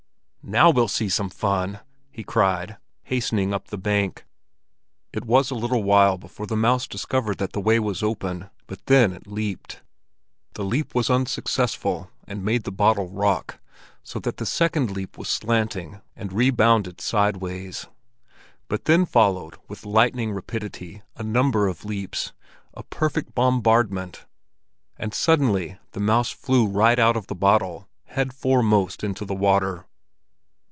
"Now we'll see some fun!" he cried, hastening up the bank. It was a little while before the mouse discovered that the way was open, but then it leaped. The leap was unsuccessful, and made the bottle rock, so that the second leap was slanting and rebounded sideways. But then followed with lightning rapidity a number of leaps—a perfect bombardment; and suddenly the mouse flew right out of the bottle, head foremost into the water.